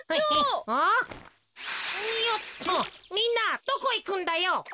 みんなどこいくんだよ。